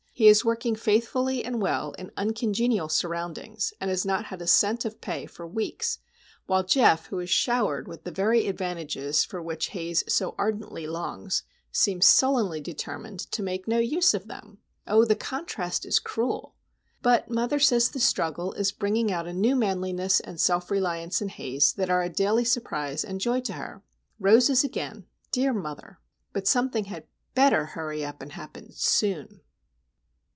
He is working faithfully and well in uncongenial surroundings, and has not had a cent of pay for weeks; while Geof, who is showered with the very advantages for which Haze so ardently longs, seems sullenly determined to make no use of them. Oh, the contrast is cruel! But mother says the struggle is bringing out a new manliness and self reliance in Haze that are a daily surprise and joy to her. Roses again,—dear mother! But something had better hurry up and happen soon!